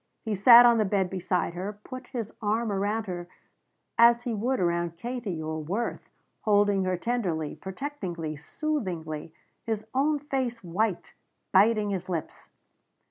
He sat on the bed beside her, put his arm around her as he would around Katie or Worth, holding her tenderly, protectingly, soothingly, his own face white, biting his lips.